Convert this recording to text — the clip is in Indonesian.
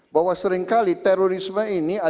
bahwa seringkali terorisme itu tidak bisa diperlukan